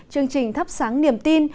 chương trình thắp sáng niềm tin